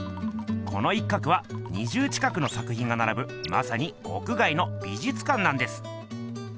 この一角は２０近くの作品がならぶまさに屋外の美術館なんです！